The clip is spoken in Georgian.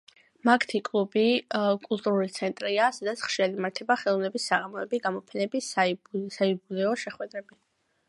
მაგთი კლუბი კულტურული ცენტრია, სადაც ხშირად იმართება ხელოვნების საღამოები, გამოფენები, საიუბილეო შეხვედრები.